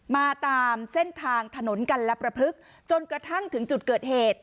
มาตามเส้นทางถนนกันและประพฤกษ์จนกระทั่งถึงจุดเกิดเหตุ